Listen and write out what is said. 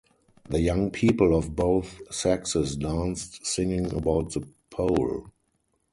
The young people of both sexes danced singing about the pole.